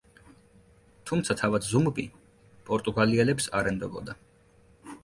თუმცა თავად ზუმბი პორტუგალიელებს არ ენდობოდა.